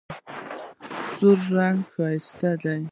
سور رنګ ښایسته دی.